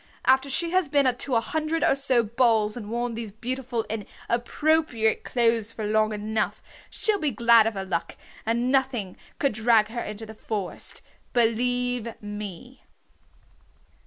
After she has been to a hundred or so balls and worn these beautiful and appropriate clothes long enough she'll be glad of her luck, and nothing could drag her into the forest. Believe me!"